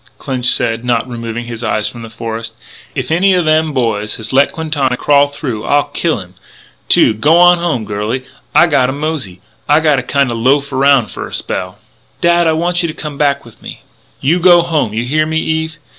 Clinch said, not removing his eyes from the forest: "If any o' them boys has let Quintana crawl through I'll kill him, too.... G'wan home, girlie. I gotta mosey I gotta kinda loaf around f'r a spell " "Dad, I want you to come back with me " "You go home; you hear me, Eve?